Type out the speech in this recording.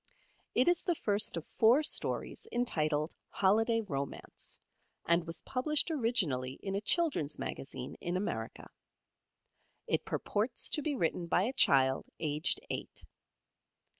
It is the first of four stories entitled "Holiday Romance" and was published originally in a children's magazine in America. It purports to be written by a child aged eight.